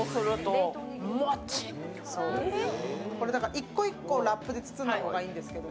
１個１個ラップで包んだ方がいいんですけど。